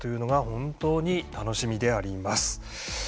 本当に楽しみであります。